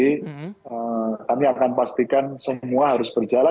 kami akan pastikan semua harus berjalan